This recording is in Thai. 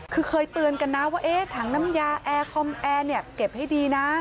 คือเคยเตือนกันนะว่าถังน้ำยาแอร์คอมแอร์เนี่ยเก็บให้ดีนะ